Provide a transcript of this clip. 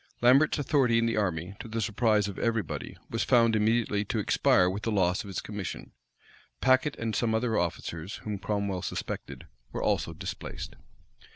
Lambert's authority in the army, to the surprise of every body, was found immediately to expire with the loss of his commission. Packet and some other officers, whom Cromwell suspected, were also displaced.